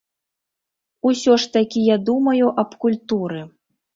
Усё ж такі я думаю аб культуры.